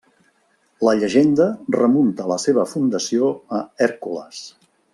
La llegenda remunta la seva fundació a Hèrcules.